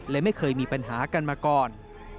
และไม่เคยมีปัญหากันมาก่อน